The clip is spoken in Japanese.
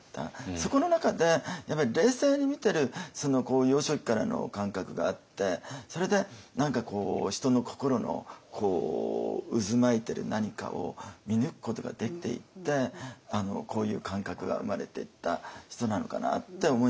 そこの中で冷静に見てる幼少期からの感覚があってそれで何かこう人の心の渦巻いてる何かを見抜くことができていってこういう感覚が生まれていった人なのかなって思いましたよね。